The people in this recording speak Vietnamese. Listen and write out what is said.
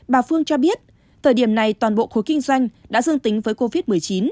bà phương cho biết thời điểm này toàn bộ khối kinh doanh đã dương tính với covid một mươi chín